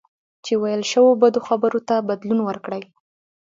چې ویل شوو بدو خبرو ته بدلون ورکړئ.